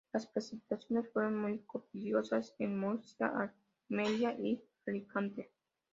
Las precipitaciones fueron muy copiosas en Murcia, Almería y Alicante.